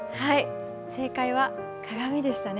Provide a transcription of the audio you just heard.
正解は鏡でしたね。